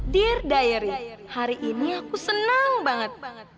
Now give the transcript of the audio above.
dear diary hari ini aku senang banget banget